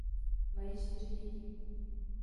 Mají čtyři děti.